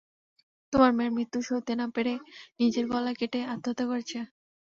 তোমার মেয়ের মৃত্যু সইতে না পেরে নিজের গলা কেটে আত্মহত্যা করেছে।